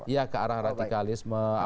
ya ke arah radikalisme